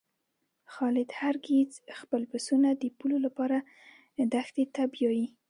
خالد هر ګیځ خپل پسونه د پوولو لپاره دښتی ته بیایی.